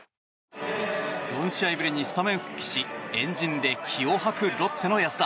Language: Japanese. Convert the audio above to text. ４試合ぶりにスタメン復帰し円陣で気を吐くロッテの安田。